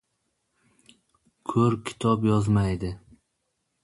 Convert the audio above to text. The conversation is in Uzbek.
• Ko‘r kitob yozmaydi.